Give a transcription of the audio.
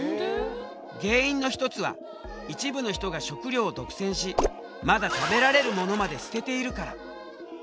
原因の一つは一部の人が食料を独占しまだ食べられるものまで捨てているから。